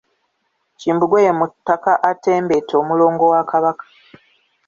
Kimbugwe ye mutaka atembeeta omulongo wa Kabaka.